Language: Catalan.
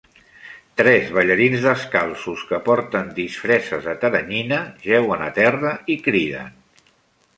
Tres ballarins descalços que porten disfresses de teranyina jeuen a terra i criden.